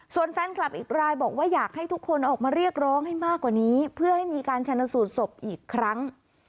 ส่วนแฟนคลับอีกรายบอกว่าอยากให้ทุกคนออกมาเรียกร้องให้มากกว่านี้เพื่อให้มีการชนสูตรศพอีกครั้ง